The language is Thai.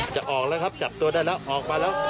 จะออกแล้วครับจับตัวได้แล้วออกมาแล้ว